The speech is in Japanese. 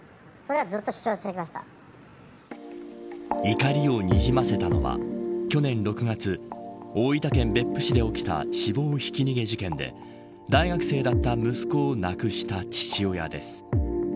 怒りをにじませたのは去年６月大分県別府市で起きた死亡ひき逃げ事件で大学生だった息子を亡くした父親です。